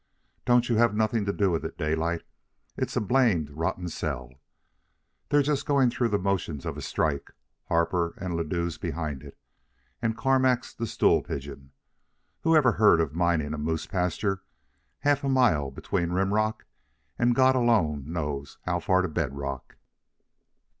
"Don't you have nothin' to do with it, Daylight. It's a blamed rotten sell. They're just going through the motions of a strike. Harper and Ladue's behind it, and Carmack's the stool pigeon. Whoever heard of mining a moose pasture half a mile between rim rock and God alone knows how far to bed rock!"